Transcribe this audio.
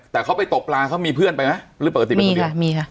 แต่เขาไปตบลาเขามีเพื่อนเปล่าปกติเป็นคนเดียว